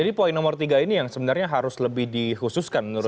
jadi poin nomor tiga ini yang sebenarnya harus lebih di khususkan menurut anda